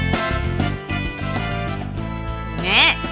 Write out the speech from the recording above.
เทน